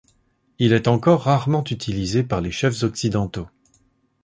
Il est encore rarement utilisé par les chefs occidentaux.